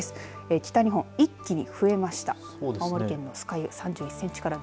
北日本、一気に増えました。